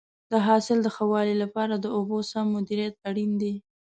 د حاصل د ښه والي لپاره د اوبو سم مدیریت اړین دی.